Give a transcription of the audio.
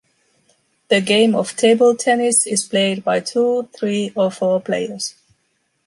The game of table tennis is played by two, three or four players.